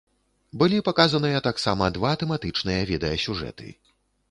Былі паказаныя таксама два тэматычныя відэасюжэты.